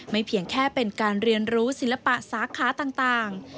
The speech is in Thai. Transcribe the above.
เพียงแค่เป็นการเรียนรู้ศิลปะสาขาต่าง